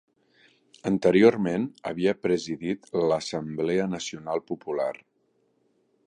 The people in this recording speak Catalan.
Anteriorment havia presidit l'Assemblea Nacional Popular.